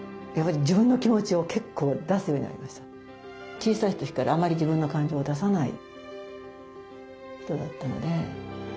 小さい時からあんまり自分の感情を出さない人だったので。